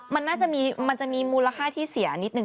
มันน่าจะมีมูลค่าที่เสียนิดนึ